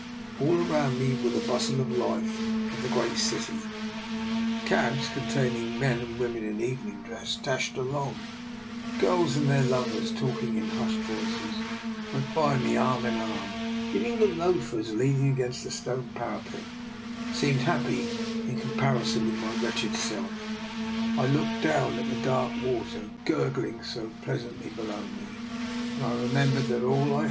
All round me were the bustle and Hfe of the great city: cabs, containing men and women in evening dress, dashed along; girls and their lovers, talking in hushed voices, went by me arm in arm; even the loafers, leaning against the stone parapet, seemed happy in comparison with my wretched self. I looked down at the dark water gurgling so pleas antly below me, and remembered that all I 8 DR. NIKOLA'S EXPERIMENT.